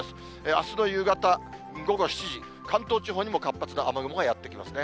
あすの夕方午後７時、関東地方にも活発な雨雲がやって来ますね。